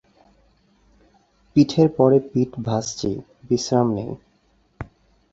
পিঠের পরে পিঠে ভাজছি, বিশ্রাম নেই।